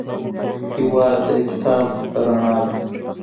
هېواد د کتاب رڼا ده.